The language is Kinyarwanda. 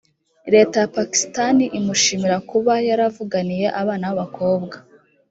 leta ya pakistani imushimira kuba yaravuganiye abana b’abakobwa